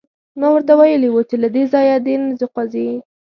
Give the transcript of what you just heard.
ما ورته ویلي وو چې له دې ځایه دې نه خوځي